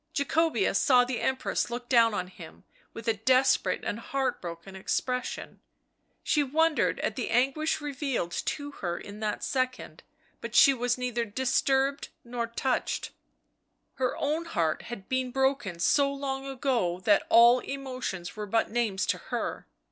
Jacobea saw the Empress look down on him with a desperate and heartbroken expression; she wondered at the anguish revealed to her in that second, but she was neither disturbed nor touched; her own heart had been broken so long ago that all emotions were but names to her.